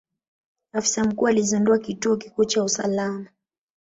Afisa mkuu alizundua kituo kikuu cha usalama.